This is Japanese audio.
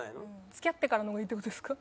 付き合ってからの方がいいって事ですか？